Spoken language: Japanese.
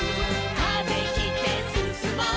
「風切ってすすもう」